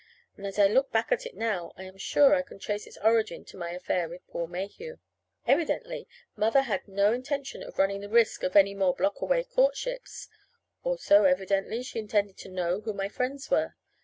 And as I look back at it now, I am sure I can trace its origin to my "affair" with Paul Mayhew. Evidently Mother had no intention of running the risk of any more block away courtships; also evidently she intended to know who my friends were.